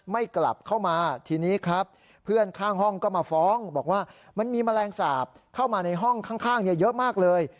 ไม่กลับเข้ามาทีนี้ครับเพื่อนข้างห้องก็มาฟ้องบอกว่ามันมีแมลงสาปเข้ามาในห้องข้างเยอะมากเลย